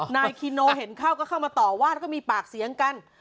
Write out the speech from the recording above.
นายคิโนเห็นเข้าก็เข้ามาต่อว่าแล้วก็มีปากเสียงกัน